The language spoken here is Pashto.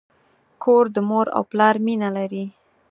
کور د مور او پلار مینه لري.